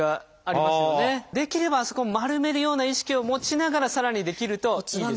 できればあそこは丸めるような意識を持ちながらさらにできるといいです。